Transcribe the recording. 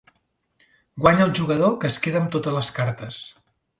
Guanya el jugador que es queda amb totes les cartes.